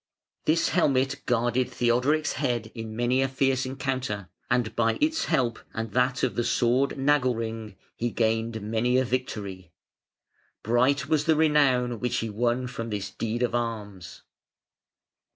This helmet guarded Theodoric's head in many a fierce encounter, and by its help and that of the sword Nagelring he gained many a victory. Bright was the renown which he won from this deed of arms.